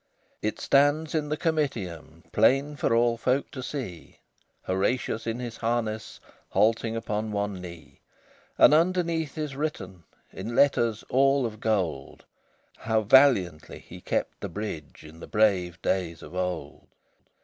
LXVI It stands in the Comitium Plain for all folk to see; Horatius in his harness, Halting upon one knee: And underneath is written, In letters all of gold, How valiantly he kept the bridge In the brave days of old.